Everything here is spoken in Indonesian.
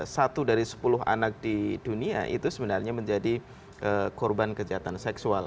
satu dari sepuluh anak di dunia itu sebenarnya menjadi korban kejahatan seksual